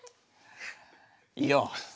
いいよ。